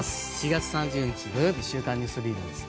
４月３０日、土曜日「週刊ニュースリーダー」です。